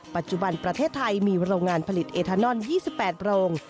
ปัจจุบันประเทศไทยมีโรงงานผลิตเอทานอน๒๘โรง